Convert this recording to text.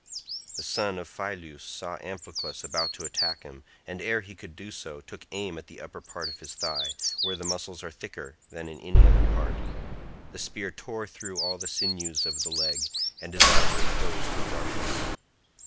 The son of Phyleus saw Amphiclus about to attack him, and ere he could do so took aim at the upper part of his thigh, where the muscles are thicker than in any other part; the spear tore through all the sinews of the leg, and his eyes were closed in darkness.